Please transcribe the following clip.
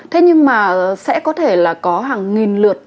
thế nhưng mà sẽ có thể là có hàng nghìn lượt